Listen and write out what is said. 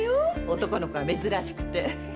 男の子が珍しくて。